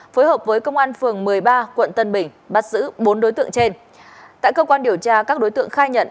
phối hợp với công an phường một mươi ba quận tân bình bắt giữ bốn đối tượng trên